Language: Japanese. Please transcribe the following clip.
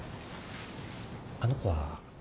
あの子は？